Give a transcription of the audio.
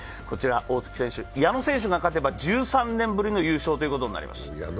こちら大槻選手、矢野選手が勝てば１３年ぶりの優勝となります。